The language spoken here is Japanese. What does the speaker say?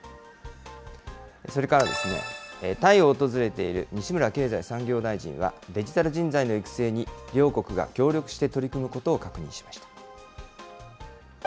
それからですね、タイを訪れている西村経済産業大臣は、デジタル人材の育成に両国が協力して取り組むことを確認しました。